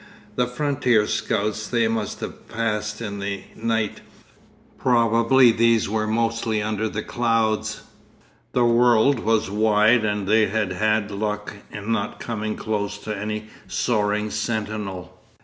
The frontier scouts they must have passed in the night; probably these were mostly under the clouds; the world was wide and they had had luck in not coming close to any soaring sentinel.